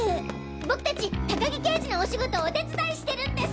僕達高木刑事のお仕事をお手伝いしてるんです！